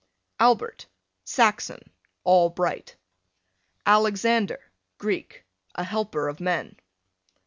Albert, Saxon, all bright. Alexander, Greek, a helper of men.